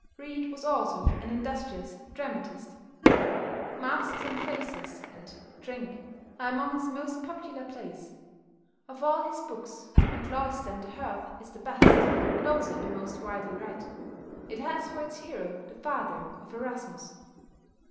Reade was also an industrious dramatist; "Masks and Faces," and "Drink," are among his most popular plays. Of all his books "The Cloister and the Hearth" is the best, and also the most widely read. It has for its hero the father of Erasmus.